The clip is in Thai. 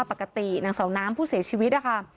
ปกตินางเสาน้ำผู้เสียชีวิตนะคะ